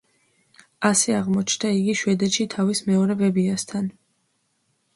ასე აღმოჩნდა იგი შვედეთში თავის მეორე ბებიასთან.